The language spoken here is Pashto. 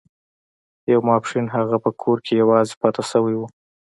یو ماسپښین هغه په کور کې یوازې پاتې شوی و